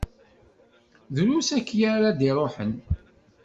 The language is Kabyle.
Drus akya ara d-iṛuḥen.